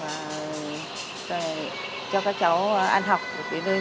và cho các cháu ăn hát tiếp thì mình vẫn còn nơi sống gia đình